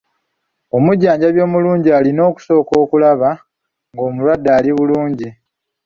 Omujjanjabi omulungi olina okusooka okulaba ng’omulwadde ali bulungi.